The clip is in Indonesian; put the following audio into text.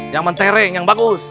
yang mentereng yang bagus